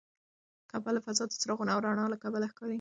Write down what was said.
کعبه له فضا د څراغونو او رڼا له کبله ښکاري.